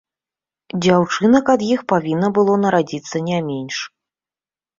Дзяўчынак ад іх павінна было нарадзіцца не менш.